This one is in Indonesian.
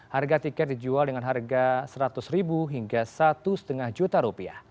harga tiket dijual dengan harga rp seratus hingga rp satu lima juta